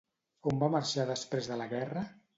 On va marxar després de la guerra?